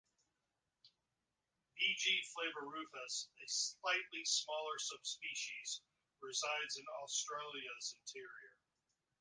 "V. g. flavirufus", a slightly smaller subspecies, resides in Australia's interior.